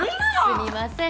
すみません